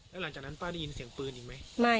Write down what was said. แล้วหลังจากนั้นป้าได้ยินเสียงปืนอีกไหม